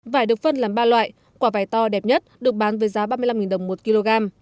vải được phân làm ba loại quả vải to đẹp nhất được bán với giá ba mươi năm đồng một kg